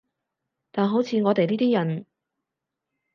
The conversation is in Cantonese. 但好似我哋呢啲人